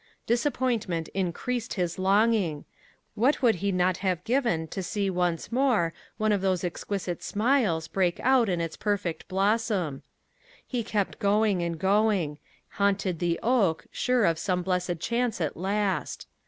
Disappointment increased his longing: what would he not have given to see once more one of those exquisite smiles break out in its perfect blossom! He kept going and going haunted the oak, sure of some blessed chance at last.